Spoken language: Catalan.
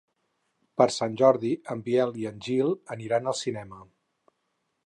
Per Sant Jordi en Biel i en Gil aniran al cinema.